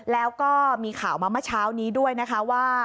แล้วก็มีข่าวมาเมื่อเช้านี้ด้วยนะคะว่า